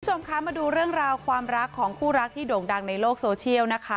คุณผู้ชมคะมาดูเรื่องราวความรักของคู่รักที่โด่งดังในโลกโซเชียลนะคะ